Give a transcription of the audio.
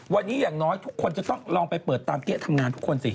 วันนี้อย่างน้อยทุกคนจะต้องลองไปเปิดตามเก๊ะทำงานทุกคนสิ